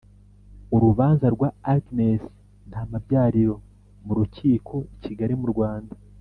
Urubanza rwa Agnes Ntamabyariro m'urukiko i Kigali mu Rwanda.